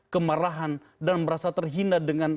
kemarahan dan merasa terhina dengan